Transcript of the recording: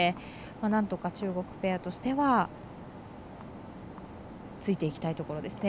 なんとか、中国ペアとしてはついていきたいところですね。